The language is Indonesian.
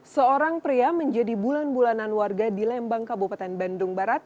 seorang pria menjadi bulan bulanan warga di lembang kabupaten bandung barat